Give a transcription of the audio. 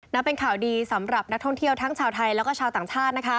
เป็นข่าวดีสำหรับนักท่องเที่ยวทั้งชาวไทยแล้วก็ชาวต่างชาตินะคะ